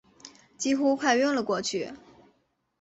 几乎快晕了过去